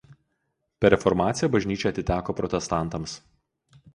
Per reformaciją bažnyčia atiteko protestantams.